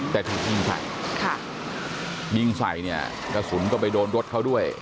แต่ถูกยิงใส่ค่ะยิงใส่เนี่ยกระสุนก็ไปโดนรถเขาด้วย